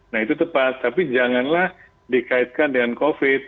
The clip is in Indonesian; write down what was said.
nah itu tepat tapi janganlah dikaitkan dengan covid